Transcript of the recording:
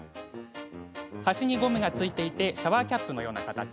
端にゴムがついていてシャワーキャップのような形。